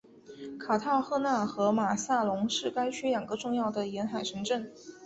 卡塔赫纳和马萨龙是该区两个重要的沿海城镇。